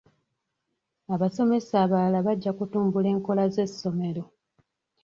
Abasomesa abalala bajja kutumbula enkola z'essomero.